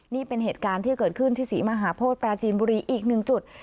นี่เป็นเหตุการณ์ที่เกิดขึ้นที่ศรีมหาโพธิปราจีนบุรีอีกหนึ่งจุด